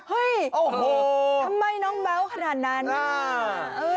เฮ้ยทำไมน้องแป๊วขนาดนานนี่